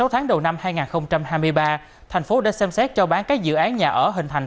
sáu tháng đầu năm hai nghìn hai mươi ba thành phố đã xem xét cho bán các dự án nhà ở hình thành